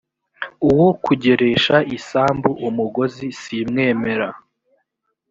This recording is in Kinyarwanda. uwo kugeresha isambu umugozi simwemera